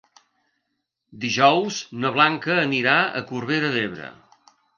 Dijous na Blanca anirà a Corbera d'Ebre.